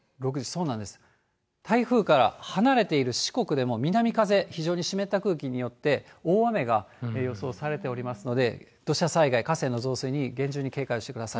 そうなんです、台風から離れている四国でも、南風、非常に湿った空気によって、大雨が予想されておりますので、土砂災害、河川の増水に厳重に警戒をしてください。